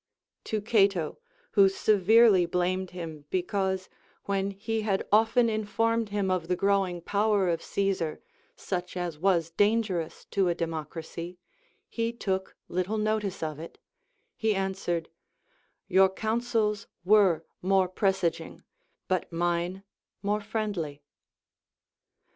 To Cato, Λνΐιο severely blamed him because, when he had often informed him of the growing power of Caesar, such as was dangerous to a democracy, he took little notice of it, he answered, Your counsels were more presaging, but mine more friendly.